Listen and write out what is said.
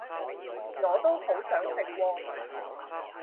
我都好想食喎